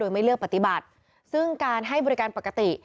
ไม่เลือกปฏิบัติซึ่งการให้บริการปกติ